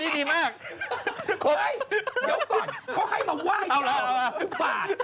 เฮ้ยเดี๋ยวก่อนเค้าให้มาไหว้ฟาก